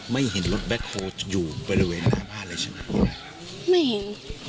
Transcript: ไม่เห็นรถแบ็คโฮลอยู่บริเวณหน้าบ้านเลยใช่ไหมไม่เห็น